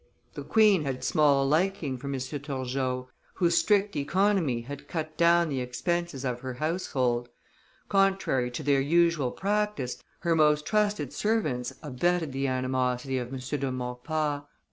The queen had small liking for M. Turgot, whose strict economy had cut down the expenses of her household; contrary to their usual practice, her most trusted servants abetted the animosity of M. de Maurepas.